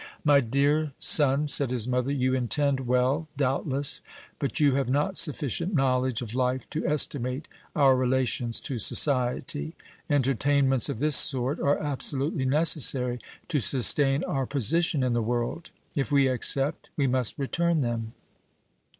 "My dear son," said his mother, "you intend well, doubtless; but you have not sufficient knowledge of life to estimate our relations to society. Entertainments of this sort are absolutely necessary to sustain our position in the world. If we accept, we must return them."